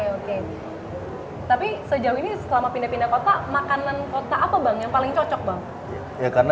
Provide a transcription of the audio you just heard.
oke tapi sejauh ini selama pindah pindah kota makanan kota apa bang yang paling cocok bang